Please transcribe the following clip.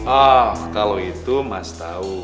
ah kalo itu mas tau